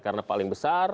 karena paling besar